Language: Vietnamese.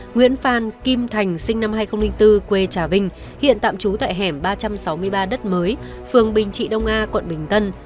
nguyễn phan kim thành sinh năm hai nghìn bốn quê trà vinh hiện tạm trú tại hẻm ba trăm sáu mươi ba đất mới phường bình trị đông a quận bình tân